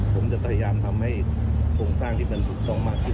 ผมจะพยายามทำให้โครงสร้างที่มันถูกต้องมากขึ้น